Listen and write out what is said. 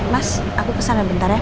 mas aku kesana bentar ya